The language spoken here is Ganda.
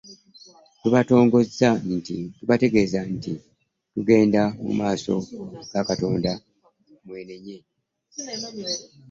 Tubategeeza nti mugende mu maaso ga Katonda mwenenye